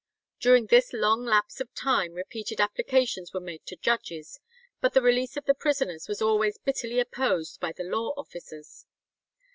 During this long lapse of time repeated applications were made to judges, but the release of the prisoners was always bitterly opposed by the law officers.